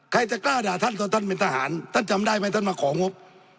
ใครจะกล้าด่าท่านก็ท่านเป็นทหารท่านจำได้ไหมท่านมาของงบ